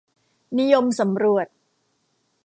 นิยมสำรวจ